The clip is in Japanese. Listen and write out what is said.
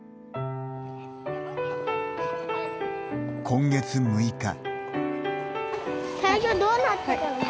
今月、６日。